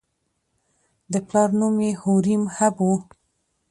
د پلار نوم یې هوریم هب و.